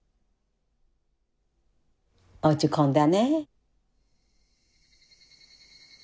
落ち込んだね。